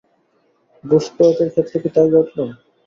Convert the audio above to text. Goose পয়েতের ক্ষেত্রেও কি তাই ঘটল?